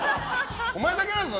お前だけだぞ！